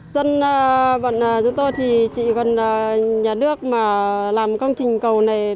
dân vận chúng tôi thì chỉ cần nhà nước mà làm công trình cầu này